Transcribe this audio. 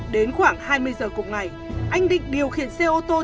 đến khoảng hai mươi giờ cùng ngày anh định điều khiển xe ô tô